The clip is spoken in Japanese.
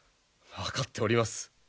分かっております。